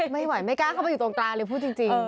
ไม่ไหวไม่กล้าเข้าไปอยู่ตรงกลางเลยพูดจริง